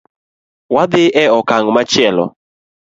Wadhi e okang’ machielo